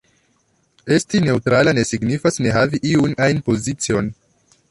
Esti “neǔtrala” ne signifas ne havi iun ajn pozicion.